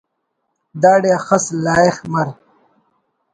داڑے اخس لائخ مر